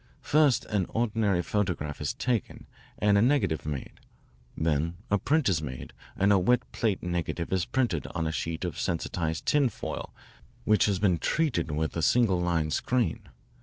First an ordinary photograph is taken and a negative made. Then a print is made and a wet plate negative is printed on a sheet of sensitised tinfoil which has been treated with a single line screen.